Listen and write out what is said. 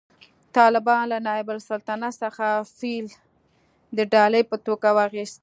طالبانو له نایب السلطنه څخه فیل د ډالۍ په توګه واخیست